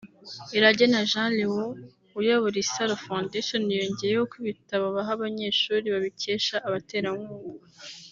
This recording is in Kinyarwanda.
Iragena Jean Léon uyobora Isaro foundation yongeyeho ko ibitabo baha abanyeshuri babikesha abaterankunga